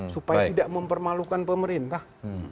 supaya tidak mempermalukan pemerintah